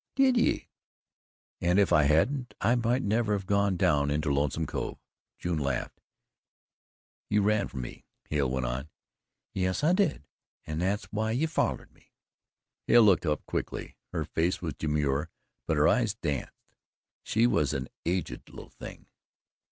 "Did ye?" "And if I hadn't, I might never have gone down into Lonesome Cove." June laughed. "You ran from me," Hale went on. "Yes, I did: an' that's why you follered me." Hale looked up quickly. Her face was demure, but her eyes danced. She was an aged little thing.